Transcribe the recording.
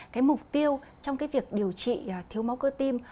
cái mục tiêu trong cái việc điều trị thiếu máu cơ tim